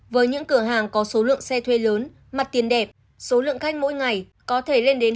với những cửa hàng có số lượng xe thuê lớn mặt tiền đẹp số lượng khách mỗi ngày có thể lên đến